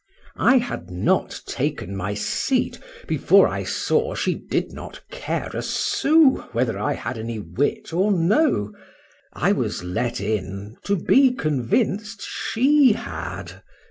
I had not taken my seat, before I saw she did not care a sous whether I had any wit or no;—I was let in, to be convinced she had.